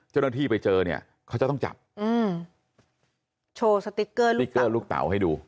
เจ้าหน้าที่ไปเจอเนี่ยเขาจะต้องจับอืมโชว์สติ๊กเกอร์ลูกเกอร์ลูกเต๋าให้ดู